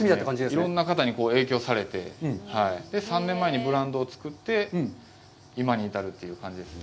いろんな方に影響されて、３年前にブランドを作って、今に至るという感じです。